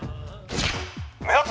目立つぜ！」。